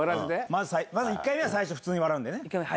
まず１回目は普通に笑うんだよね。